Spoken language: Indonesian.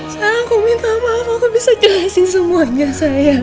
sayang aku minta maaf aku bisa jelasin semuanya sayang